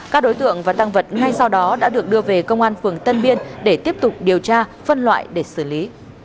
các đối tượng và tăng vật ngay sau đó đã được đưa về công an phường tân biên để tiếp tục điều tra phân loại để xử lý